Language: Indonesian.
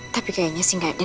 tapi kayaknya sih gak denger